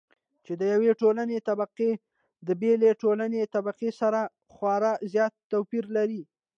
چې د يوې ټولنې طبقې د بلې ټولنې طبقې سره خورا زيات توپېر لري.